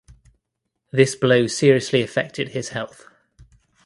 This blow seriously affected his health.